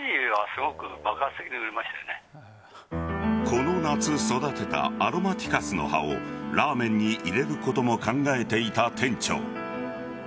この夏、育てたアロマティカスの葉をラーメンに入れることも考えていた店長。